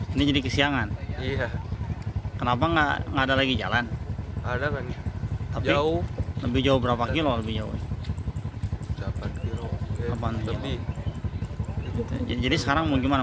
menjadi kesiangan iya kenapa nggak ada lagi jalan nanti lebih jauh getting jadi sekarang mau gimana